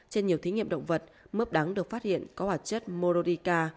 trên nhiều thí nghiệm động vật mướp đắng được phát hiện có hoạt chất morodica